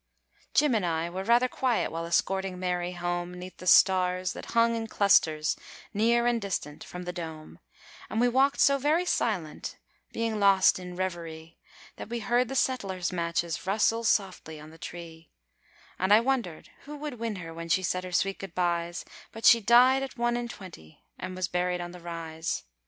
Jim and I were rather quiet while escorting Mary home, 'Neath the stars that hung in clusters, near and distant, from the dome; And we walked so very silent being lost in reverie That we heard the settlers' matches rustle softly on the tree; And I wondered who would win her when she said her sweet good byes But she died at one and twenty, and was buried on the Rise.